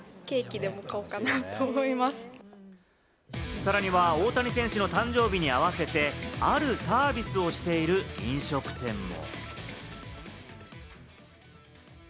さらには大谷選手の誕生日に合わせて、あるサービスをしている飲食店も。